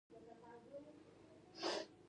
غږیز مرسته کوونکی.